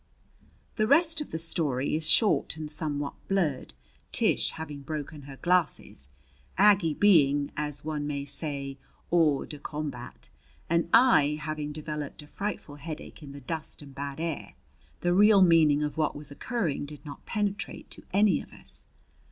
The rest of the story is short and somewhat blurred. Tish having broken her glasses, Aggie being, as one may say, hors de combat, and I having developed a frightful headache in the dust and bad air, the real meaning of what was occurring did not penetrate to any of us.